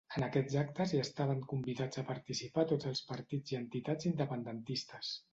En aquests actes hi estaven convidats a participar tots els partits i entitats independentistes.